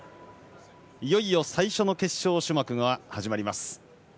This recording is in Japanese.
いよいよ最初の決勝種目が始まります。